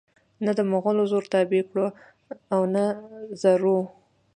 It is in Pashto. نه دمغلو زور تابع کړ او نه زرو